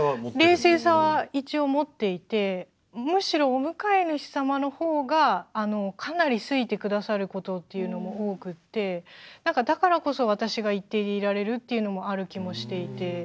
冷静さは一応持っていてむしろお迎え主様の方がかなり好いて下さることっていうのも多くてなんかだからこそ私が一定でいられるっていうのもある気もしていて。